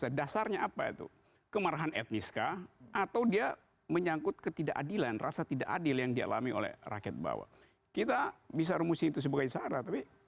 sebenarnya sarah itu adalah orang yang berusaha untuk mencari kemampuan untuk mencari kemampuan untuk mencari kemampuan untuk mencari kemampuan